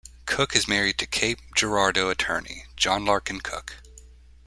Cook is married to Cape Girardeau attorney John Larkin Cook.